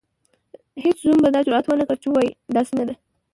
هیڅ زوم به دا جرئت ونکړي چې ووايي داسې نه ده.